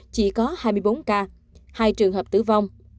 chỉ có hai mươi bốn ca hai trường hợp tử vong